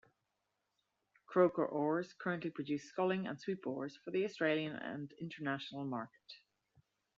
Croker Oars currently produce sculling and sweep oars for the Australian and international market.